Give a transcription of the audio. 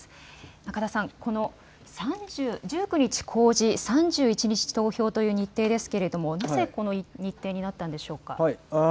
中田さん、この１９日公示、３１日投票という日程ですけれどもなぜこの日程になったんでしょうか。